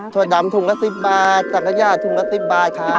ถั่วดำถุงละ๑๐บาทสังขยาถุงละ๑๐บาทค่ะ